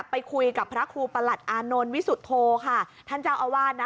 ไปคุยกับพระครูประหลัดอานนท์วิสุทธโธค่ะท่านเจ้าอาวาสนะ